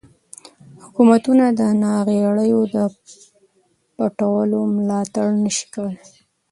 حکومتونه د ناغیړیو د پټولو ملاتړ نشي کولای.